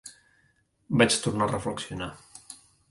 Vaig tornar a reflexionar.